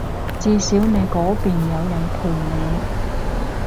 至少你嗰邊有人陪你